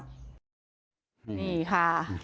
นี่ค่ะ